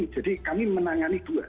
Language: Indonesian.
jadi kami menangani dua